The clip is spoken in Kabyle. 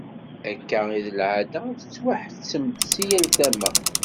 Akka i d lεada, tettwaḥettem-d si yal tama.